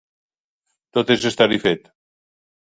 Tot és estar-hi fet.